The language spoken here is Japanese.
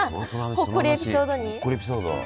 「ほっこりエピソード」に？